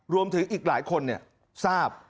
รวมถึงอีกหลายคนเนี่ยทราบ